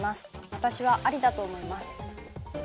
私はアリだと思います。